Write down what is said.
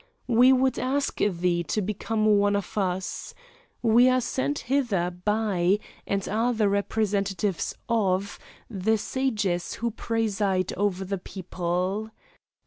We would ask thee to become one of us. We are sent hither by, and are the representatives of, the sages who preside over the people.